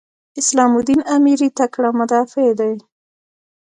اسلام الدین امیري تکړه مدافع دی.